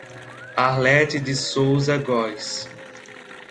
Arlete de Soouza Gois